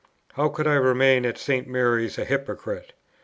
How could I remain at St. Mary's a hypocrite?